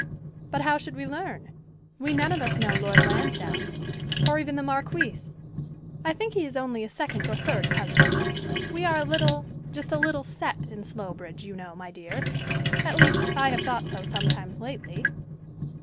"But how should we learn? We none of us know Lord Lansdowne, or even the marquis. I think he is only a second or third cousin. We are a little just a little set in Slowbridge, you know, my dear: at least, I have thought so sometimes lately."